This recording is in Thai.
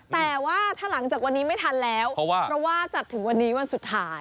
แต่ว่าถ้าหลังจากวันนี้ไม่ทันแล้วเพราะว่าจัดถึงวันนี้วันสุดท้าย